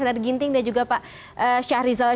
dari ginting dan juga pak syahrizal